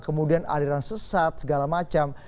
kemudian aliran sesat segala macam